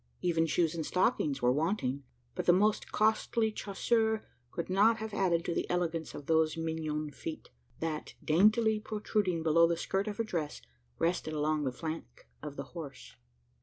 Even shoes and stockings were wanting; but the most costly chaussure could not have added to the elegance of those mignon feet, that, daintily protruding below the skirt of her dress, rested along the flank of the horse.